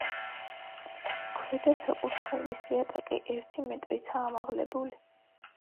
ქვედა საკურთხევლის იატაკი ერთი მეტრითაა ამაღლებული.